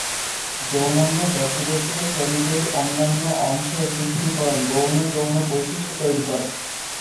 যৌনাঙ্গ ব্যতিরেকে শরীরের অন্যান্য অংশের পৃথকীকরণ গৌণ যৌন বৈশিষ্ট্য তৈরি করে।